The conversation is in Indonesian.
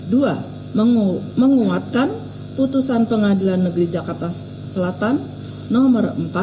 dua menguatkan putusan pengadilan negeri jakarta selatan nomor empat